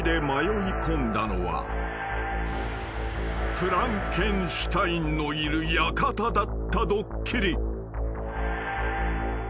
［フランケンシュタインのいる館だったドッキリ］